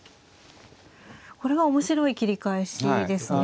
これは面白い切り返しですね。